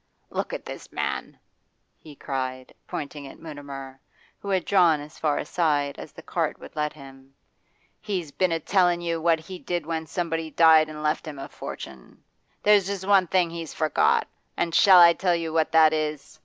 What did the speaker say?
'Look at this man!' he cried, pointing at Mutimer, who had drawn as far aside as the cart would let him. 'He's been a tellin' you what he did when somebody died an' left him a fortune. There's just one thing he's forgot, an' shall I tell you what that is?